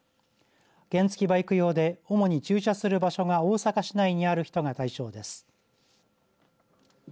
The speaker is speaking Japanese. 原付きバイク用で主に駐車する場所が大阪市内にある人が対象です。